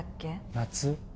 夏？